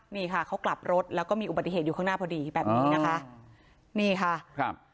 นี่ค่ะเขากลับรถแล้วก็มีอุบัติเหตุอยู่ข้างหน้าพอดีแบบนี้นะคะนี่ค่ะครับ